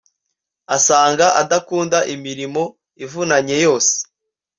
usanga adakunda imirimo ivunanye yose